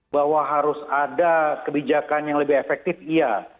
bahwa harus ada kebijakan yang lebih efektif iya